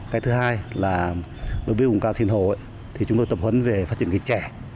cái thứ hai là đối với vùng cao sinh hồ thì chúng tôi tập huấn về phát triển cái trẻ